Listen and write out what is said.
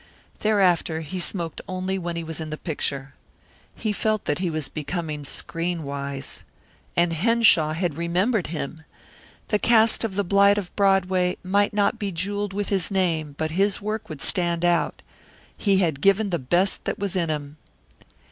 Thereafter he smoked only when he was in the picture. He felt that he was becoming screen wise. And Henshaw had remembered him. The cast of The Blight of Broadway might not be jewelled with his name, but his work would stand out. He had given the best that was in him.